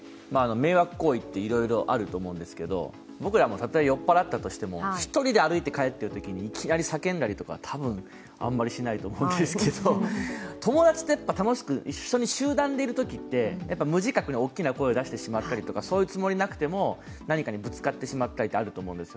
迷惑行為っていろいろあると思うんですけれども、僕らもたとえ酔っ払ったとしても１人で歩いて帰ってるときにいきなり叫んだりとかたぶん、あまりしないと思うんですけど、友達と一緒に楽しく集団でいるときって無自覚に大きな声を出してしまったりとかそういうつもりがなくても何かにぶつかってしまったりとかあると思うんです。